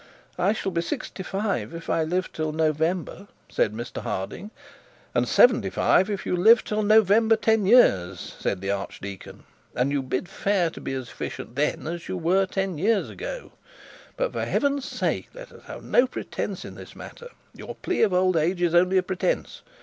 'I shall be sixty five if I live till November,' said Mr Harding. 'And seventy five if you live till November ten years,' said the archdeacon. 'And you bid fair to be as efficient then as you were ten years ago. But for heaven's sake let us have no pretence in this matter. Your plea of old age is only a pretence.